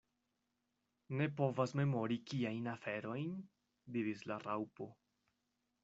"Ne povas memori kiajn aferojn?" diris la Raŭpo.